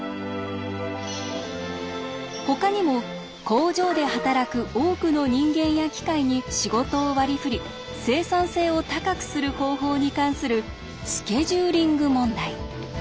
ほかにも工場で働く多くの人間や機械に仕事を割り振り生産性を高くする方法に関する「スケジューリング問題」。